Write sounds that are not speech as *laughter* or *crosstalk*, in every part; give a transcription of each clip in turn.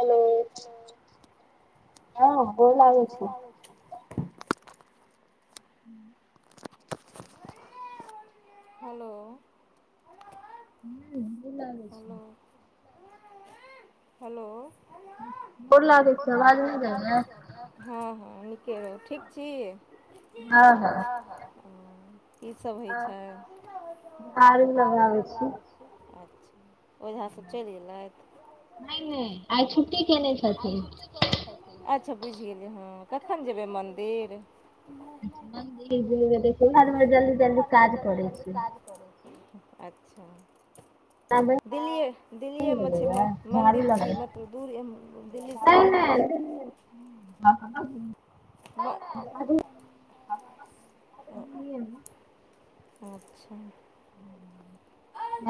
हो हँ गोर लागै छै *unintelligible* *inaudible* हेलो ह भ लागै छै हेलो गोर लागै‌ छी आवाज नय छै य हँ हँ नीके रहौ ठीक छी ई सब होइ छै आू लगाबचा ओझा सभ चलि गेएलथि नहि नहि आइ छुट्टी केने छथि अच्छा बुझि गेलियै हँ कखन जेबै मन्दिर *unintelligible* अच्छा दिल्लए दिल्लीए मे छै मन्दिर की म पू दिल्लीसँ बाहर छै *unintelligible* ह *unintelligible* अचछा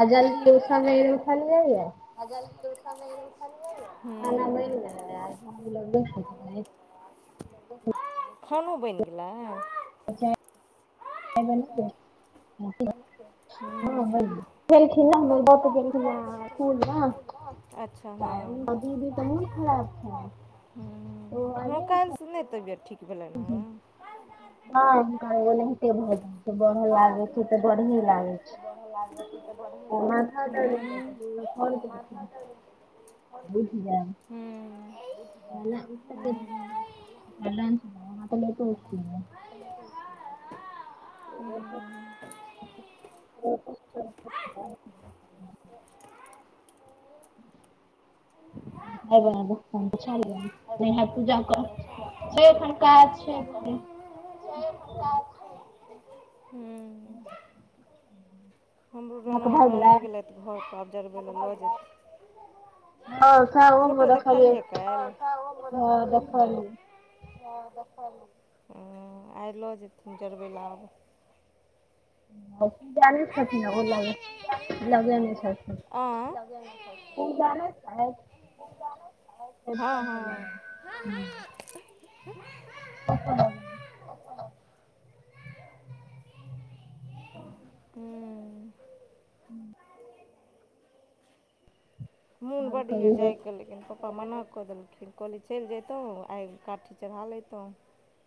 आजलदी उस मेन उठल जा य हजार दोस मलिय खाना बैन ने खानो बनि गेलै बनब *unintelligible* अच्छा *unintelligible* अच्छा हँ हू हँ काल्हिसँ नहि तबियत ठीक की भेलैन है ह कह नहिते भऽ जाइ छै बढ़ लाग छै तऽ बरहे लागै छै ह *unintelligible* बुझलनि हूँ *inaudible* हूँ *inaudible* *inaudible* *unintelligible* *inaudible* *unintelligible* हाँ पूजा कर *inaudible* जय प्रकाश छै हमरो जेना आबि गेलै तऽ घर त। आब जरबै लए जायत छी फोटो देखलिये काल्हि ह आइ लऽ जेथिन जरबै लए आब जाने छथिन ओ लग लगेमे छथिन जानैत छथि *unintelligible* *inaudible* *inaudible* हूँ *inaudible* मोन बड्ड यए जायके लेकिन पप्प पप्पा मना कऽ देलखिन कहली चलि जैतहुँ आइ काठी चढ़ा लैतहुँ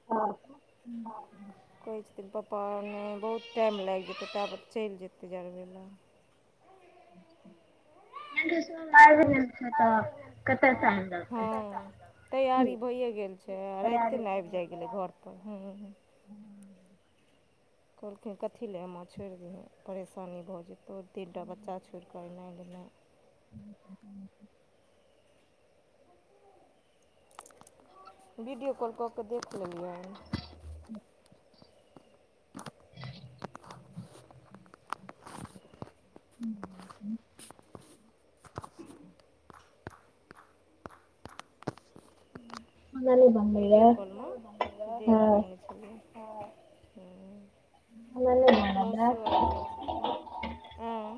*unintelligible* *unintelligible* कहै छथिन पप्पा बहुत टाइम लागि जेतै ताप चलि जेतै जरबय लए *unintelligible* आय लेल छथ *unintelligible* हँ तैयारी भइए गेल छै आ राते ने आबि जाइ गेलै घरपर हूँ हू कहलखिन कथी लए एम छोड़ि दिहे परेशानी भऽ जेतै दू तीन टा बच्चा छोड़िकऽ एनाइ गेनाय ह ह वीडियो कॉल कऽ कऽ देख लेलियै *inaudible* *inaudible* *inaudible* *unintelligible* वीडियो कॉलमे देख लेने छलियै ह मौसियो आबि गेलखिन ऐं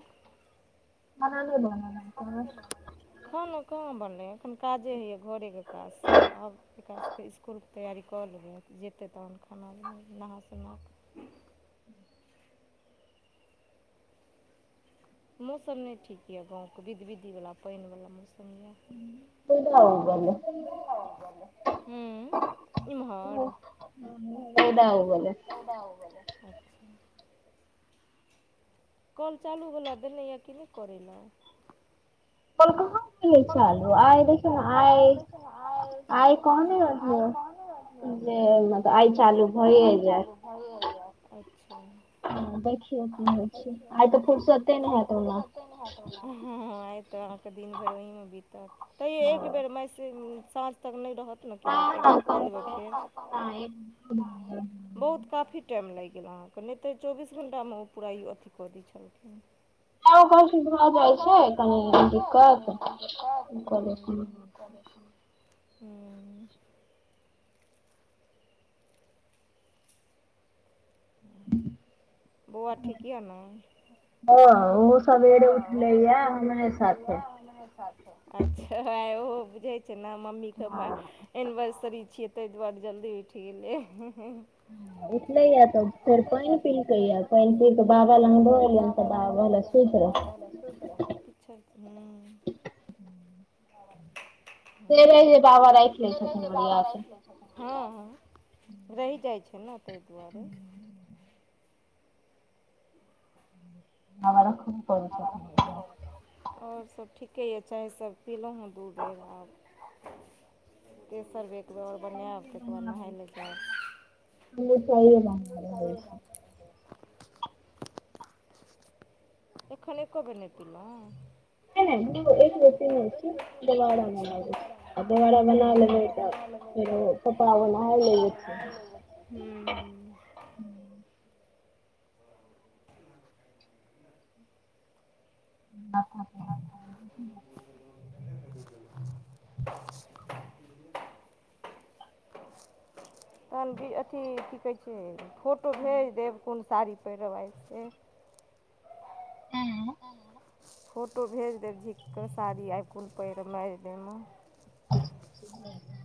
खाना नए बनल य खाना नए बनल य खाना कहाँ बनलै ये एखन काजे होइए घरेके काज सब आब एकरा सबके इसकुलके तैआरी कऽ लेबै जेतै तहन खाना बीना नहा सोना कऽ मौसम नहि ठीक यऽ गाँवके विध विधिवला पानि वाला मौसम ये कय दा ओ गेलय कय दा ओ गेलय हूँ इमहर कय दा ओ गेलय *inaudible* कल चालूवला देनेए कि नहि करय लए कहाँ आ आैसे ने आ आय कन *unintelligible* जे आइ चालू भए जात ह देखियौ की होइ छै आइ तऽ फुरसते नै हयत ओना ह त अहाँके दिन भरि ओहि मे बीतत तैयो एक बेर मैसे साँझ तक नहि रहत *unintelligible* कऽ देबै फेर बहुत काफी टाइम लागि गेल अहाँके नहि तऽ चौबीस घण्टामे ओ पूरा अथी कऽ दै छलखिन ओ कहलखिन कि भऽ जाइ छै कनि दिक्कत हम कलियै कि हूँ *unintelligible* बौआ ठीकऽ यन हँ ओ ओ हो सबेरे उठलै या हमरे साथे अच्छा ओहो बुझै छै ने मम्मीके म एनिवर्सरी छियै तऽ तै दुआरे जल्दी उठ गेलै उठलै या त फेर पाएन पीलकै या पानि पी कऽ बाबा लग दयेलिया तऽ बाबा ल सुति रह पछ ह *unintelligible* से रहै जे बाबा राखि लै छथिन ओरिया क हँ हँ रहि जाइ छै न ताहि दुआरे हमरा खूब पड़ छक *unintelligible* आओर सभ ठीके यए चाह सब पीलहुँ हेँ दू बेर आब तेसर बेर *unintelligible* तकर बाद नहाय लए जाएब एखन एको बेर नहि पीलौ नै नै *unintelligible* *unintelligible* आ दोबारा बना लेबै तऽ फेर ओ कपड़ा बनाए लै छै *unintelligible* हू हू *inaudible* ह *unintelligible* *unintelligible* तहन अथी की कहै छै फोटो भेज देब कोन साड़ी पहिरब से आँ आँ फोटो भेज देब झिकऽ साड़ी आई कोन पहिरब मारेजडे मे नहि *unintelligible*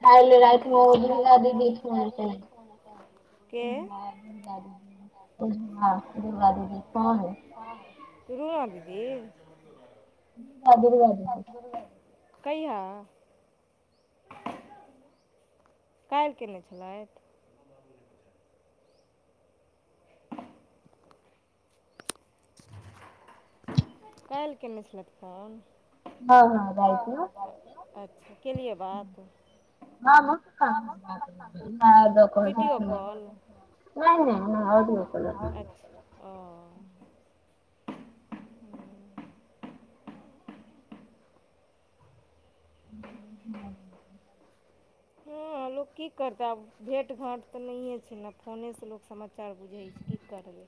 आी *inaudible* ह *unintelligible* रुणा दीदी *unintelligible* कहिया काल्हि केने छलथि काल्हि के ने छलैथ फोन हँ हँ बरियां अच्छा के लिए बात हँ कह कि नहि *unintelligible* नै नै मा अडि कोल ए ओ *unintelligible* हँ त लोक की करतै आब भेँट घाँट तऽ नहिए छै ने फोनेसँ लोक समाचार बुझै छै की करबै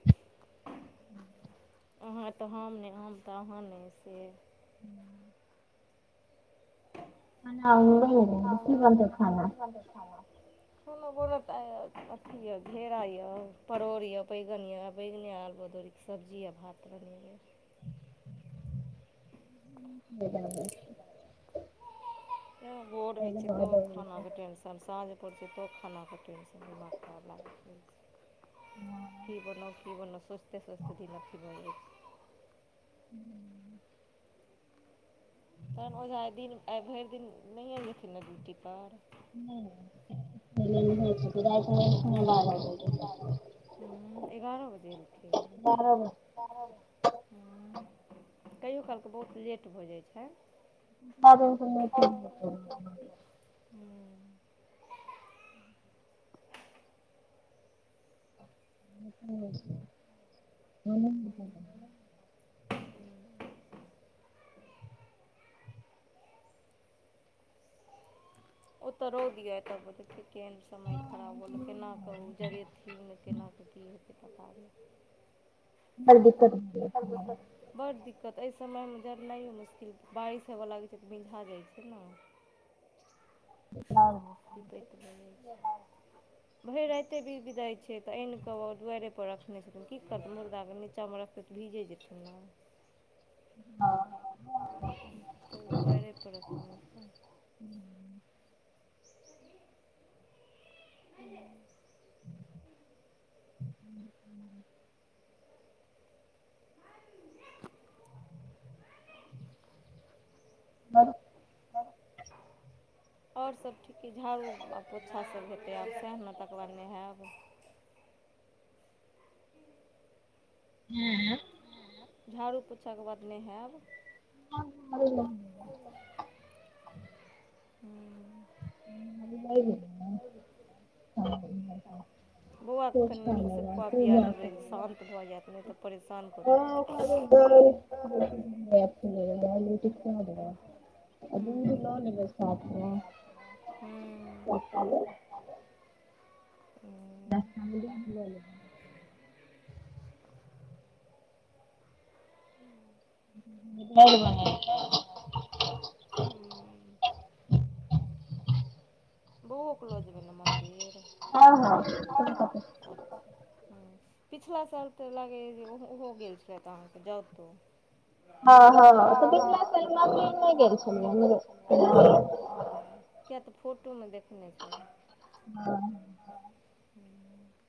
अहाँ तऽ हम नहि हम तऽ अहाँ नेऽ से हू *unintelligible* खनो बोल अथी ये घेरा यऽ परोड़ यऽ बैगन यऽ बैगने आलू अदौरी सब्जी भात बनेबै *unintelligible* तयऽ भोर होइ छै तऽ ओ खानाके टेन्शन तन साँझ पड़ छै तब खानाके टेन्शन दिमाग खराब लागेत रहे छै की बनउ की बनउ सोचिते सोचिते दििन अथी भय जाय छै हू तहन ओहिझा दिन आइ आइ भरि दिन नहिए जेथिन ने ड्यूटीपर *unintelligible* *unintelligible* हू एगारह बजे एयलखिन तब हँ कहिो कालके बहुत लेट भऽ जाइ छैन *unintelligible* *unintelligible* ओतऽ रौदिऽ एतऽ बड *unintelligible* केहन समय खराब होलै केनाकऽ ओ जरेथिन केन कऽथी हेतै पता ने बड दिक्त *unintelligible* बड दिक्कत एहि समयमे जरनाइो मुश्किल बारिश होइवय लागै छै तऽ मिझा जाइ छै नऽ *unintelligible* बिपैत भऽ जाय छै भरि रााते भी विदाायई छै तऽ आन के दुआारे पर रखने छथिन की करते मुर्दा कऽ नीचा मऽ रखते तऽ भीजे जेतऽ ना हँ त दुआरे पर रखने *unintelligible* *unintelligible* *unintelligible* *unintelligible* *unintelligible* आओर सब ठीकी झाड़ू आ पोछा सब हेतै आब सएहाय नऽ तकरबाद नहायब *unintelligible* झाड़ू पोछयकऽ बाद नहायब *unintelligible* हू *unintelligible* *unintelligible* *unintelligible* बौआँ कनि नीकसँ खुआ पिया देबै शान्त भऽ जायत नहि तऽ परेशान *unintelligible* आ दूध ल लेबय साथ मे *unintelligible* *inaudible* *unintelligible* दस टा *unintelligible* ल लेब *unintelligible* *unintelligible* बउओ के ल जेबै न मन्दिर ह पिछला साल तऽ लागैए जे ओहो गेल छलथि अहाँ के जाउतो *inaudible* हँ हँ त पिछला साल मंदिर नय गेल छलिये किये तऽ फोटोमे देखने छलहुँ हँ *inaudible*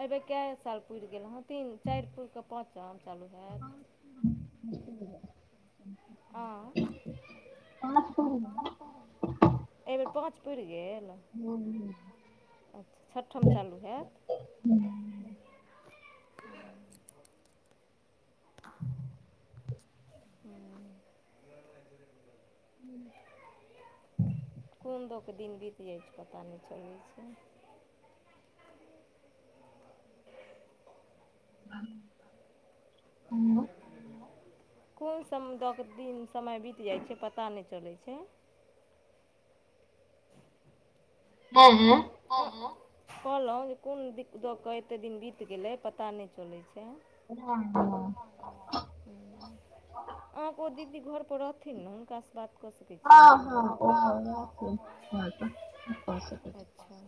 अइ बेर कए साल पुरि गेल हँ तीन चारि पुरके पाँच काम चालू हैत आँ एहि बेर पाँच पूरी गेल *unintelligible* अच्छा छठम चालू हैत *unintelligible* *unintelligible* कोन दऽके दिन बीत जाइत छै पता नहि चलय छै *unintelligible* कोन सम दऽ क दिन समय बीत जाइत छै पता नहि चलै छै हँ हँ हँ हँ कहलहुँ जे कोन द दऽ कऽ एते दिन बीत गेलै पता नहि चलैय छै *unintelligible* ह्म्म अहाँ के ओ दीदी घर पर रहथिन न हुनका सँ बात कऽ सकै छियै ने अहाँ *unintelligible* अच्छा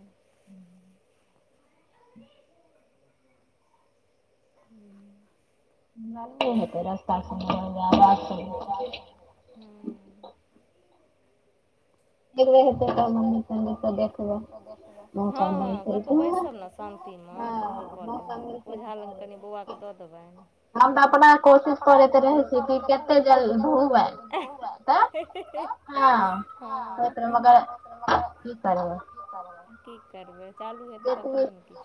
ह हेतै रास्ता शुरू *unintelligible* ह्म्म एमरहे *unintelligible* हँ हँ कतहु बैसब ने शान्तिमे तऽ ओम्हर कऽ लेब ओझा लग कनि बौआ के दऽ देबनि हम त अपना कोशिश करैत रहू छी कि कतेक जल्दी हुवे हँ ह की करबै चालू हेतै तखने ने किछ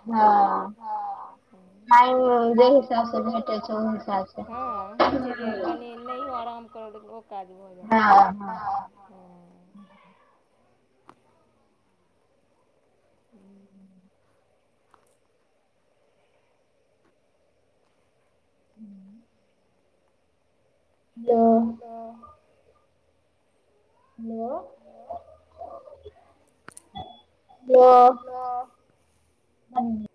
*unintelligible* आय ओ गलत शासन मे हँ होइ छै जे कनि नहियो आराम करब ओ काज भऽ जेत *unintelligible* ह हूँ हूँ या तऽ हेलो हेलो हेलो